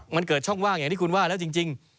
มันเกิดช่องว่างอย่างที่คุณว่าแล้วจริง